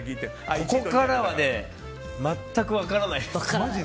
ここからはね全く分からないです。